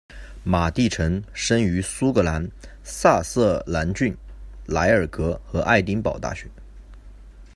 马地臣生于苏格兰萨瑟兰郡莱尔格和爱丁堡大学。